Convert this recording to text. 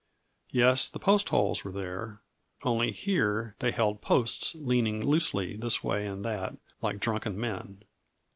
Yes, the post holes were there, only here they held posts leaning loosely this way and that like drunken men.